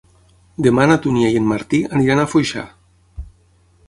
Demà na Dúnia i en Martí aniran a Foixà.